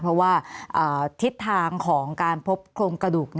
เพราะว่าทิศทางของการพบโครงกระดูก